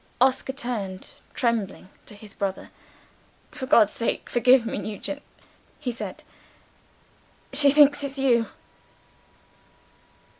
Oscar turned, trembling, to his brother. "For God's sake forgive me, Nugent!" he said. "She thinks it's YOU."